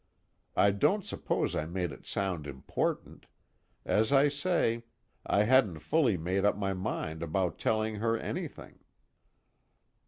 I don't suppose I made it sound important as I say, I hadn't fully made up my mind about telling her anything."